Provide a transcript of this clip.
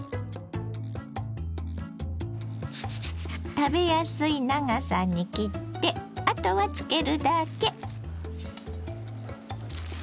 食べやすい長さに切ってあとは漬けるだけ。